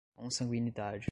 consanguinidade